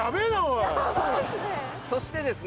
そしてですね